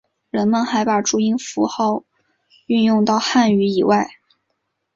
人们还把注音符号运用到汉语以外。